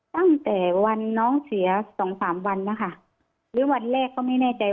ตั้งแต่วันน้องเสียสองสามวันนะคะหรือวันแรกก็ไม่แน่ใจ